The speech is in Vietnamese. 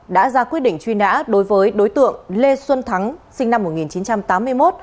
đã ra quyết định truy nã đối với đối tượng lê xuân thắng sinh năm một nghìn chín trăm tám mươi một